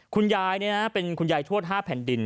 คุณยายเป็นทั่วท่าห้าแผ่นดิน